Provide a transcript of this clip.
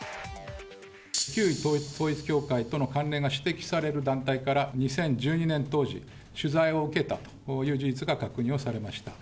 旧統一教会との関連が指摘される団体から、２０１２年当時、取材を受けたという事実が確認をされました。